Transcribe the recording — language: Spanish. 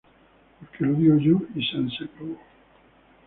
Porque lo digo yo y sanseacabó